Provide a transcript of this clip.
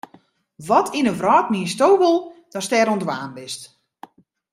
Wat yn de wrâld miensto wol datst dêr oan it dwaan bist?